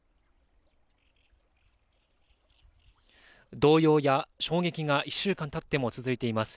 動揺や衝撃が１週間たっても続いています。